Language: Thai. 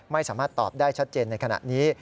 ไม่สามารถตอบได้ชัดเจนในขณะนี้